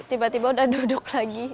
tiba tiba udah duduk lagi